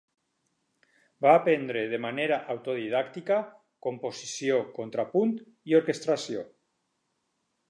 Va aprendre de manera autodidàctica composició, contrapunt i orquestració.